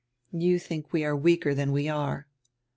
"You think we are weaker than we are."